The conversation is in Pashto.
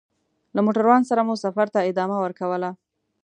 له موټروان سره مو سفر ته ادامه ورکوله.